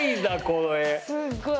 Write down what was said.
すっごい。